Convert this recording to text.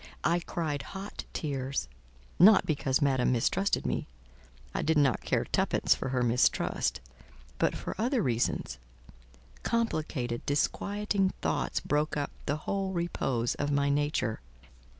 I cried hot tears: not because Madame mistrusted me—I did not care twopence for her mistrust—but for other reasons. Complicated, disquieting thoughts broke up the whole repose of my nature.